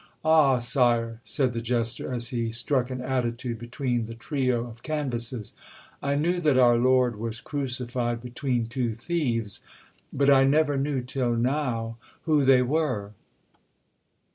"Ah, Sire," said the Jester, as he struck an attitude before the trio of canvases, "I knew that our Lord was crucified between two thieves, but I never knew till now who they were."